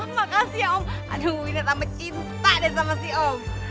makasih ya om aduh kita tambah cinta deh sama si om